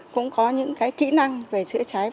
cũng có những cái kỹ năng về chữa cháy